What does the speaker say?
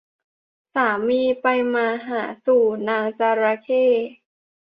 สามีไปมาหาสู่นางจระเข้